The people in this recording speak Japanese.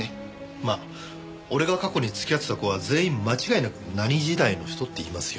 まあ俺が過去に付き合ってた子は全員間違いなく「何時代の人？」って言いますよ。